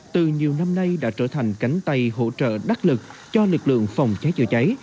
từ nhiều năm nay đã trở thành cánh tay hỗ trợ đắc lực cho lực lượng phòng cháy chữa cháy